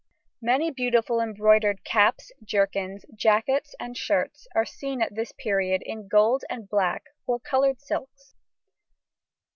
Many beautifully embroidered caps, jerkins, jackets, and shirts are seen at this period in gold and black or coloured silks.